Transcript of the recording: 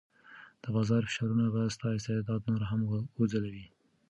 د بازار فشارونه به ستا استعداد نور هم وځلوي.